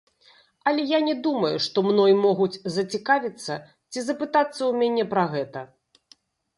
Але я не думаю, што мной могуць зацікавіцца ці запытацца ў мяне пра гэта.